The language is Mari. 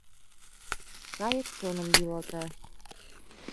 Кайык чоным йӱлата.